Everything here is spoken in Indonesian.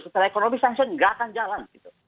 setelah ekonomi sanction tidak akan jalan